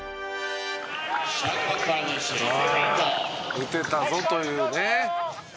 打てたぞというね」